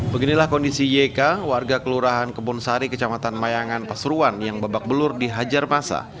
beginilah kondisi yk warga kelurahan kebun sari kecamatan mayangan pasuruan yang babak belur dihajar masa